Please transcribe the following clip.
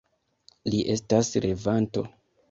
Li estas revanto!